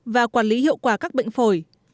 và quản lý hiệu quả các bệnh phổi